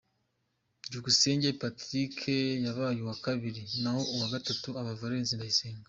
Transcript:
Byukusenge Patrick yabaye uwa kabiri naho uwa gatatu aba Valence Ndayisenga.